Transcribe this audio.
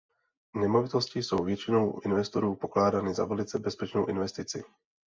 Nemovitosti jsou většinou investorů pokládány za velice bezpečnou investici.